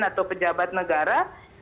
atau pejabat negara